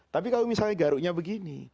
tapi kalau misalnya garuknya begini